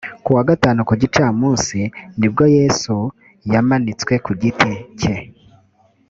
ku wa gatanu ku gicamunsi ni bwo yesu yamanitswe ku giti cye